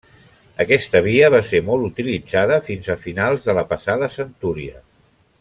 Aquesta via va ser molt utilitzada fins a finals de la passada centúria.